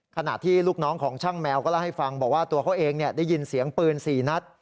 ขณะที่ลูกน้องของช่างแมวก็เล่าให้ฟังบอกว่าตัวเขาเองได้ยินเสียงปืน๔นัด